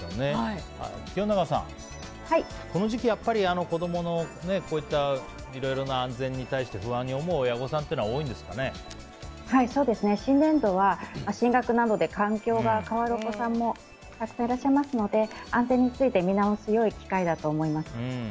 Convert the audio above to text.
清永さん、この時期はやっぱり子供の安全に対して不安に思う親御さんって新年度は進学などで環境が変わるお子さんもたくさんいらっしゃいますので安全について見直す良い機会だと思います。